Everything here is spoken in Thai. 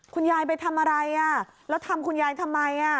คุณยายไปทำอะไรแล้วทำคุณยายทำไม